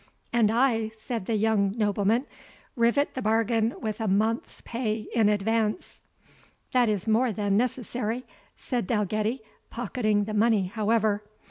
"And I," said the young nobleman, "rivet the bargain with a month's pay in advance." "That is more than necessary," said Dalgetty, pocketing the money however.